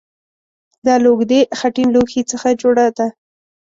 دا له اوږدې خټین لوښي څخه جوړه ده